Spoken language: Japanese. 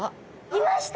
いました